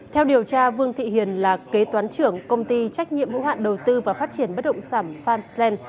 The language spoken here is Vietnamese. theo điều tra vương thị hiền là kế toán trưởng công ty trách nhiệm hữu hạn đầu tư và phát triển bất động sảm pham slen